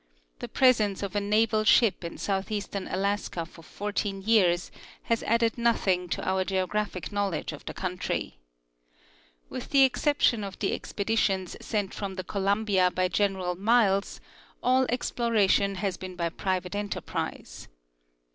The presence of a naval ship in southeastern Alaska for fourteen years has added nothing to our geographic knowledge of the country. With the exception of the expeditions sent from the Columbia by General Miles, all exploration has been by private enterprise.